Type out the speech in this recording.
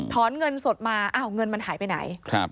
เงินสดมาอ้าวเงินมันหายไปไหน